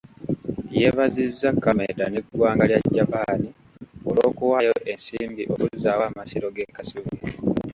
Yeebazizza Kameda n'eggwanga lya Japan olw'okuwaayo ensimbi okuzzaawo amasiro g'e Kasubi.